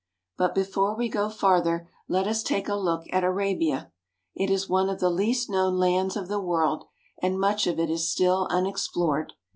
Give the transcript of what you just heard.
But before we go farther, let us take a look at Arabia. It is one of the least known lands of the world, and much of it is still unexplored.